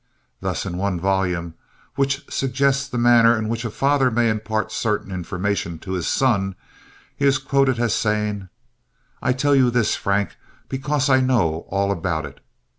Thus, in one volume, which suggests the manner in which a father may impart certain information to his son, he is quoted as saying, "I tell you this, Frank, because I know all about it."